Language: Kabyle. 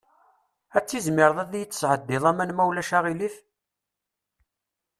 Ad tizmireḍ ad iyi-d-tesɛeddiḍ aman, ma ulac aɣilif?